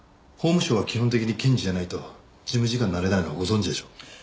法務省は基本的に検事じゃないと事務次官になれないのはご存じでしょう？